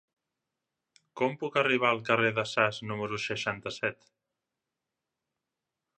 Com puc arribar al carrer de Sas número seixanta-set?